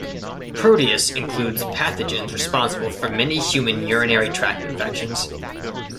"Proteus" includes pathogens responsible for many human urinary tract infections.